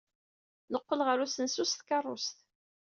Neqqel ɣer usensu s tkeṛṛust.